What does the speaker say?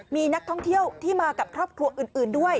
มีนักท่องเที่ยวที่มากับครอบครัวอื่นด้วย